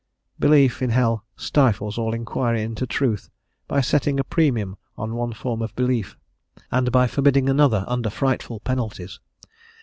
Belief in hell stifles all inquiry into truth by setting a premium on one form of belief, and by forbidding another under frightful penalties..